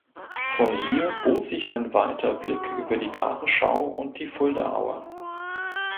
Von hier bot sich ein weiter Blick über die Gartenschau und die Fuldaaue.